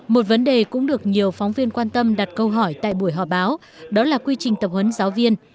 một vấn đề cũng được nhiều phóng viên quan tâm đặt câu hỏi tại buổi họp báo đó là quy trình tập huấn giáo viên